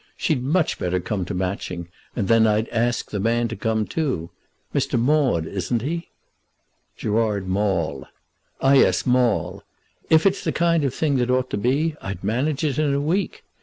She'd much better come to Matching, and then I'd ask the man to come too. Mr. Maud, isn't he?" "Gerard Maule." "Ah, yes; Maule. If it's the kind of thing that ought to be, I'd manage it in a week.